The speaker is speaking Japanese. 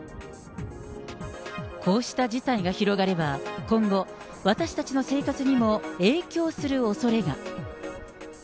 こうした事態が広がれば、今後、私たちの生活にも影響するおそれが。